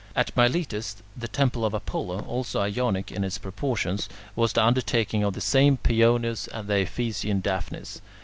At Miletus, the temple of Apollo, also Ionic in its proportions, was the undertaking of the same Paeonius and of the Ephesian Daphnis.